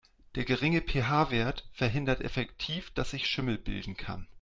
Der geringe PH-Wert verhindert effektiv, dass sich Schimmel bilden kann.